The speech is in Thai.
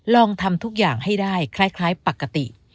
ลองทำทุกอย่างให้ได้คล้ายปกติ